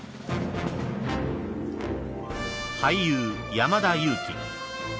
［俳優山田裕貴］